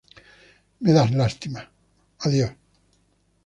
Me das lástima. Adiós.